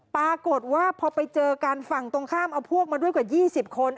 ปรากฏว่าพอไปเจอกันฝั่งตรงข้ามเอาพวกมาด้วยกว่า๒๐คน